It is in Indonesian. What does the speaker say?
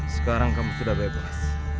sekarang kamu sudah bebas